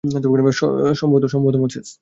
সম্ভবত, মোসেস।